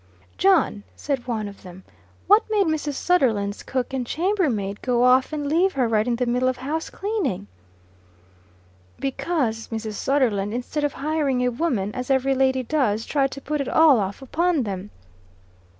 "John," said one of them, "what made Mrs. Sunderland's cook and chamber maid go aff and lave her right in the middle of house clainin'?" "Because Mrs. Sunderland, instead of hiring a woman, as every lady does, tried to put it all off upon them."